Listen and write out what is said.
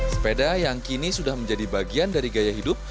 sepeda yang kini sudah menjadi bagian dari gaya hidup